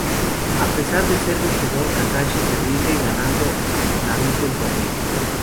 A pesar de ser vencedor, Kakashi se rinde, ganando Naruto el torneo.